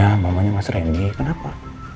iya mamanya emas rendy kenapa